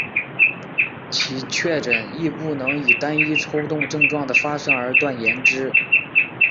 其确诊亦不能以单一抽动症状的发生而断言之。